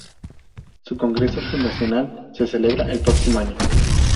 Su congreso fundacional se celebrará el próximo otoño.